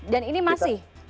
dan ini masih